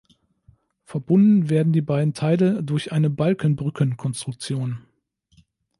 Verbunden werden die beiden Teile durch eine Balkenbrücken-Konstruktion.